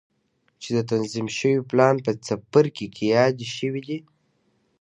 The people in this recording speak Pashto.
چې د تنظيم شوي پلان په څپرکي کې يادې شوې دي.